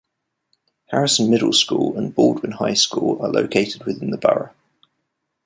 Harrison Middle School and Baldwin High School, are located within the borough.